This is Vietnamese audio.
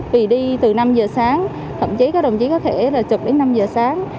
vì đi từ năm giờ sáng thậm chí các đồng chí có thể là chụp đến năm giờ sáng